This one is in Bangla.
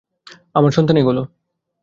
আমার সন্তান এগুলো।